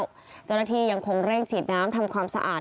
ขังในพื้นที่แล้วเจ้าหน้าที่ยังคงเร่งฉีดน้ำทำความสะอาด